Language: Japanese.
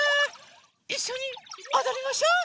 いっしょにおどりましょ。